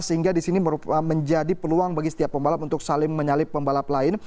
sehingga di sini menjadi peluang bagi setiap pembalap untuk saling menyalip pembalap lain